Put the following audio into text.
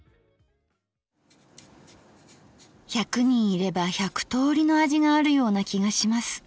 １００人いれば１００通りの味があるような気がします